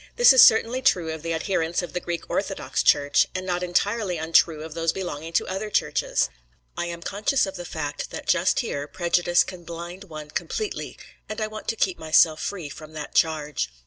This is certainly true of the adherents of the Greek Orthodox Church and not entirely untrue of those belonging to other Churches. I am conscious of the fact that just here prejudice can blind one completely; and I want to keep myself free from that charge.